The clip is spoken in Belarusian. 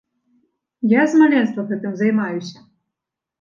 Я з маленства гэтым займаюся.